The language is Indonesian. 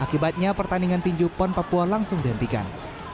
akibatnya pertandingan tinju pon papua langsung dihentikan